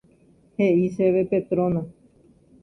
He'i chéve Petrona.